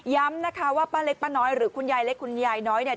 นะคะว่าป้าเล็กป้าน้อยหรือคุณยายเล็กคุณยายน้อยเนี่ย